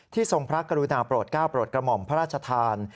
ทรงพระกรุณาโปรดก้าวโปรดกระหม่อมพระราชทาน